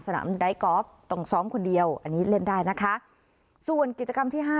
ไดกอล์ฟต้องซ้อมคนเดียวอันนี้เล่นได้นะคะส่วนกิจกรรมที่ห้า